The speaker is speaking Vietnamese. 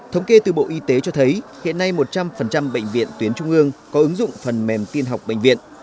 thống kê từ bộ y tế cho thấy hiện nay một trăm linh bệnh viện tuyến trung ương có ứng dụng phần mềm tiên học bệnh viện